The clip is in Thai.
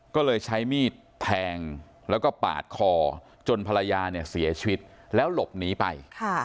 ก็เลยใช้มีดแทงแล้วก็ปาดคอจนภรรยาเนี่ยเสียชีวิตแล้วหลบหนีไป